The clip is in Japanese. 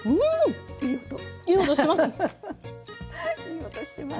いい音してます？